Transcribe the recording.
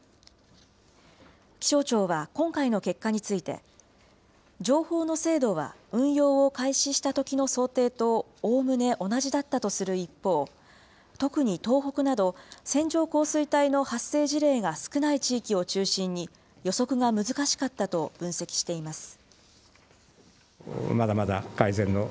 気象庁は今回の結果について、情報の精度は運用を開始したときの想定とおおむね同じだったとする一方、特に東北など、線状降水帯の発生事例が少ない地域を中心に予測が難しかったと分析しています。